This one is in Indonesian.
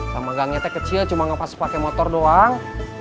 sama gangnya kecil cuma gak pas pake motor doang